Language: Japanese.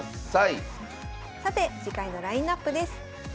さて次回のラインナップです。